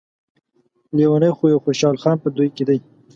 لیونی خو يو خوشحال خان په دوی کې دی.